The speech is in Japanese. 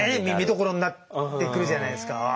見どころになってくるじゃないですか。